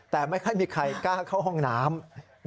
แต่ไม่ค่อยมีใครกล้าเข้าห้องน้ำ